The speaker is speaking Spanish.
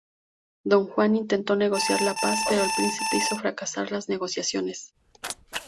Don Juan intentó negociar la paz, pero el príncipe hizo fracasar las negociaciones.